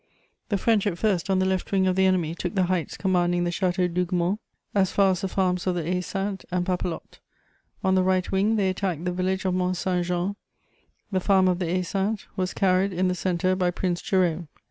The French, at first, on the left wing of the enemy, took the heights commanding the Château d'Hougoumont as far as the farms of the Haye Sainte and Papelotte; on the right wing, they attacked the village of Mont Saint Jean; the farm of the Haye Sainte was carried in the centre by Prince Jerome.